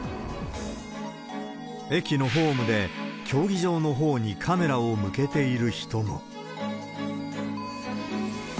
駅のホームで、競技場のほうにカメラを向けている人も。